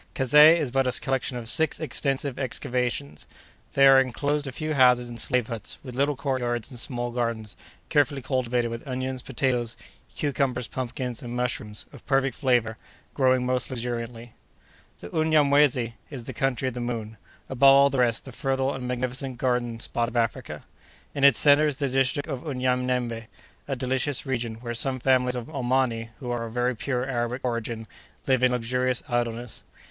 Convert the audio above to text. Kazeh is but a collection of six extensive excavations. There are enclosed a few houses and slave huts, with little courtyards and small gardens, carefully cultivated with onions, potatoes, cucumbers, pumpkins, and mushrooms, of perfect flavor, growing most luxuriantly. The Unyamwezy is the country of the Moon—above all the rest, the fertile and magnificent garden spot of Africa. In its centre is the district of Unyanembe—a delicious region, where some families of Omani, who are of very pure Arabic origin, live in luxurious idleness.